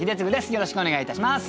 よろしくお願いします。